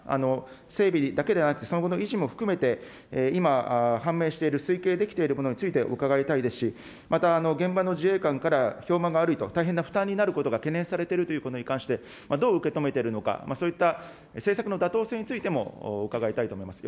整備だけではなくて、その後の維持も含めて、今、判明している、推計できているものについて伺いたいですし、また現場の自衛官から評判が悪いと、大変な負担になることが懸念されているということに、どう受け止めているのか、そういった政策の妥当性についても伺いたいと思います。